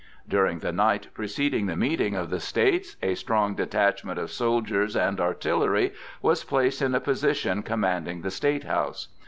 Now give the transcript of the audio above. During the night preceding the meeting of the States a strong detachment of soldiers and artillery was placed in a position commanding the State House.